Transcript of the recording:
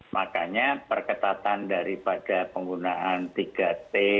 makanya perketatan daripada penggunaan tiga t